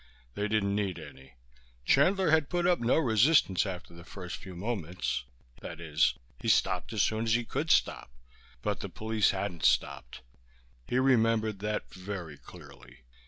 They didn't need any; Chandler had put up no resistance after the first few moments that is, he stopped as soon as he could stop but the police hadn't stopped. He remembered that very clearly.